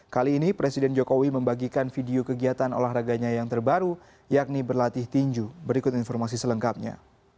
kali ini presiden jokowi membagikan video kegiatan olahraganya yang terbaru yakni berlatih tinju berikut informasi selengkapnya